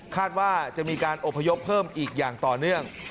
ว่าจะมีการอบพยพเพิ่มอีกอย่างต่อเนื่อง